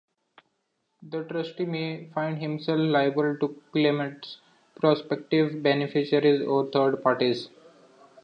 The trustee may find himself liable to claimants, prospective beneficiaries, or third parties.